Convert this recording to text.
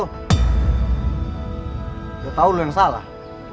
udah tau lo yang salah